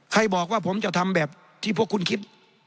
บอกว่าผมจะทำแบบที่พวกคุณคิด